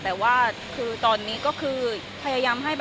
แต่ว่าคือตอนนี้ก็คือพยายามให้